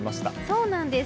そうなんです。